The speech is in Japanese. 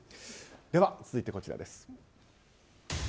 では、続いてこちらです。